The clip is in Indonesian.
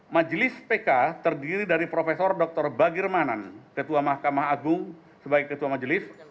majelis pk terdiri dari prof dr bagirmanan ketua mahkamah agung sebagai ketua majelis